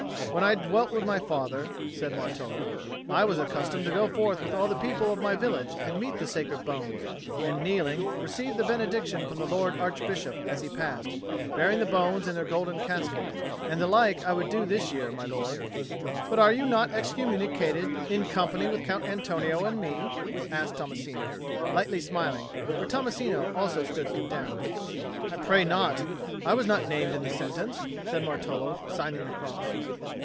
"When I dwelt with my father," said Martolo, "I was accustomed to go forth with all the people of my village and meet the sacred bones, and kneeling, receive the benediction from the Lord Archbishop as he passed, bearing the bones in their golden casket. And the like I would do this year, my lord." "But are you not excommunicated in company with Count Antonio and me?" asked Tommasino, lightly smiling; for Tommasino also stood condemned. "I pray not. I was not named in the sentence," said Martolo, signing the cross.